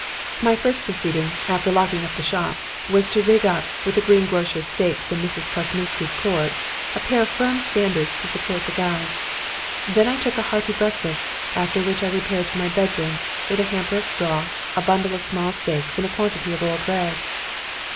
"My first proceeding, after locking up the shop, was to rig up, with the green grocer's stakes and Mrs. Kosminsky's cord, a firm pair of standards to support the guys. Then I took a hearty breakfast, after which I repaired to my bedroom with a hamper of straw, a bundle of small stakes and a quantity of odd rags.